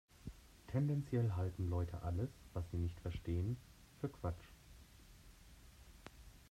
Tendenziell halten Leute alles, was sie nicht verstehen, für Quatsch.